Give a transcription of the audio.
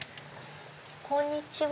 こんにちは。